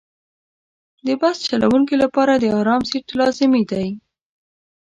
د بس چلوونکي لپاره د آرام سیټ لازمي دی.